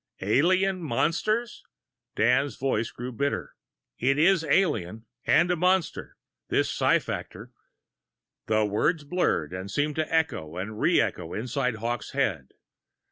"Alien monsters?" Dan's voice grew bitter. "It is alien and a monster. This psi factor...." The words blurred, and seemed to echo and re echo inside Hawkes' head.